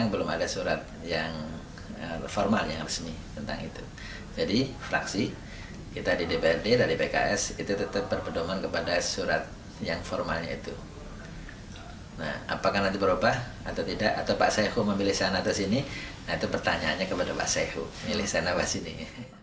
pertanyaan terakhir apakah pak syaiqo memilih sana atau sini